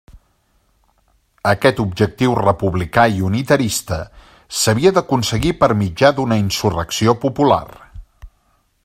Aquest objectiu republicà i unitarista s'havia d'aconseguir per mitjà d'una insurrecció popular.